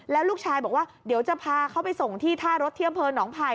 แล้วลูกชายบอกว่าเดี๋ยวจะพาเขาไปส่งที่ท่ารถที่อำเภอหนองไผ่